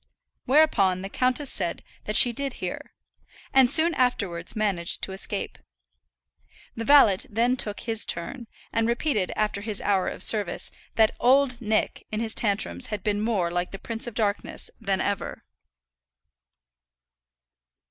Whereupon the countess said that she did hear, and soon afterwards managed to escape. The valet then took his turn; and repeated, after his hour of service, that "Old Nick" in his tantrums had been more like the Prince of Darkness than ever.